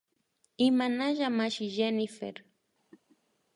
Imanalla mashi Jenyfer